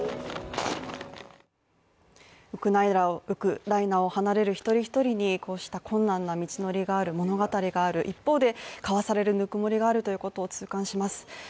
ウクライナを離れる１人１人にこうした困難な道のりがある、物語がある一方で、かわされるぬくもりがあるということを痛感します。